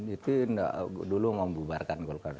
itu dulu mau bubarkan golkar